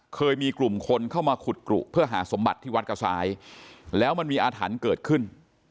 เคยมีกลุ่มคนเข้ามาขุดกรุเพื่อหาสมบัติที่วัดกระซ้ายแล้วมันมีอาถรรพ์เกิดขึ้น